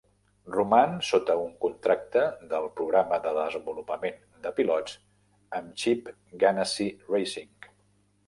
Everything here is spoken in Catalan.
Roman sota un contracte del programa de desenvolupament de pilots amb Chip Ganassi Racing.